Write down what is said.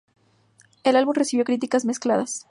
El álbum recibió críticas mezcladas.